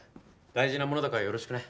大事なものだからよろしくね。